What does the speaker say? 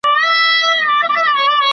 ادب له بې ادبو زده کېږي.